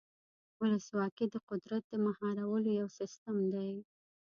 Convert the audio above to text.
ولسواکي د قدرت د مهارولو یو سیستم دی.